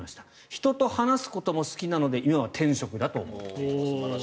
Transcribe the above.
人と話すことも好きなので今は天職だと思っています。